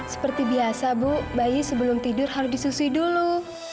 seperti biasa bu bayi sebelum tidur harus disusui dulu